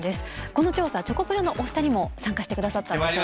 この調査チョコプラのお二人も参加してくださったんですよね。